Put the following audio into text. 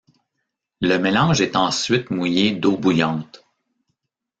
Le mélange est ensuite mouillé d’eau bouillante.